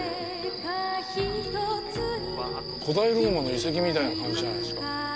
古代ローマの遺跡みたいな感じじゃないですか。